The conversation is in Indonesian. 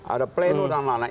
ada pleno dan lain lain